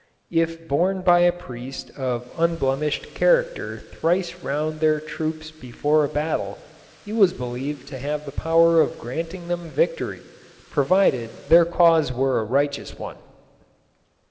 If borne by a priest of unblemished character thrice round their troops before a battle, it was believed to have the power of granting them victory, provided their cause were a righteous one.